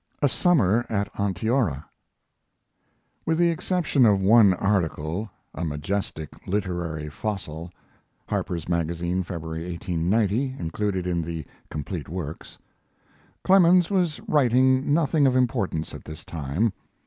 A SUMMER AT ONTEORA With the exception of one article "A Majestic Literary Fossil" [Harper's Magazine, February, 1890. Included in the "Complete Works."] Clemens was writing nothing of importance at this time.